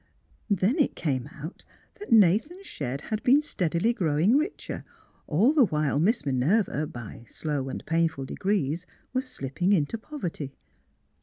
Then it came out that Nathan Shedd had been steadily growing richer, all the while Miss Minerva, by slow and painful degrees, was slipping into pov erty.